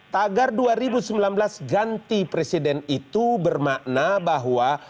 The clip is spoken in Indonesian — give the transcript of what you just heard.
tagar dua ribu sembilan belas ganti presiden itu bermakna bahwa